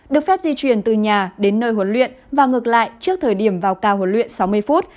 được phép di chuyển từ nhà đến nơi huấn luyện và ngược lại trước thời điểm vào ca huấn luyện sáu mươi phút